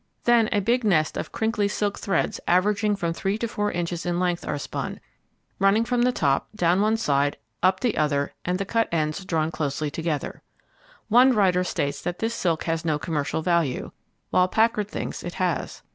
Then a big nest of crinkly silk threads averaging from three to four inches in length are spun, running from the top down one side, up the other, and the cut ends drawn closely together. One writer states that this silk has no commercial value; while Packard thinks it has.